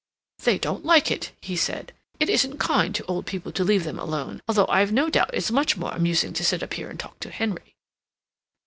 "They don't like it," he said. "It isn't kind to old people to leave them alone—although I've no doubt it's much more amusing to sit up here and talk to Henry."